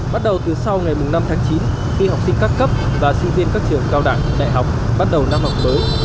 bắt đầu từ sau ngày năm tháng chín khi học sinh các cấp và sinh viên các trường cao đẳng đại học bắt đầu năm học mới